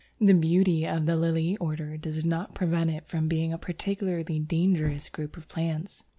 The beauty of the Lily order does not prevent it from being a particularly dangerous group of plants.